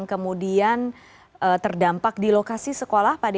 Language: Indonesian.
kemudian terdampak di lokasi sekolah pak dedy